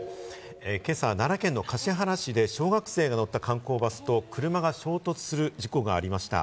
今朝、奈良県の橿原市で小学生が乗った観光バスと車が衝突する事故がありました。